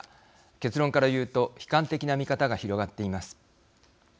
結論から言うと悲観的な見方が広がっています。